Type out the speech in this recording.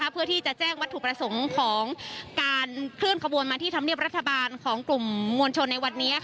เพื่อที่จะแจ้งวัตถุประสงค์ของการเคลื่อนขบวนมาที่ธรรมเนียบรัฐบาลของกลุ่มมวลชนในวันนี้